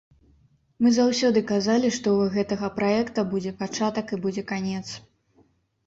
Мы заўсёды казалі, што ў гэтага праекта будзе пачатак і будзе канец.